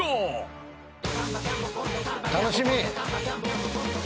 楽しみ。